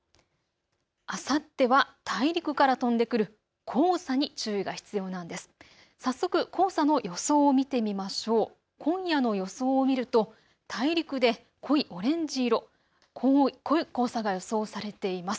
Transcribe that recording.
あさっては大陸から飛んでくる黄砂に注意が必要なんです。